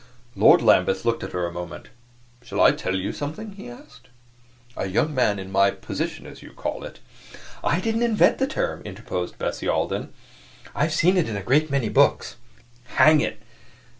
Lord Lambeth looked at her a moment. "Shall I tell you something?" he asked. "A young man in my position, as you call it " "I didn't invent the term," interposed Bessie Alden. "I have seen it in a great many books." "Hang it!